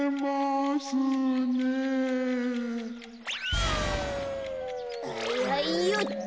はいはいよっと。